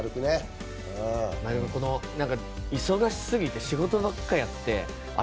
忙しすぎて仕事ばっかやってあれ？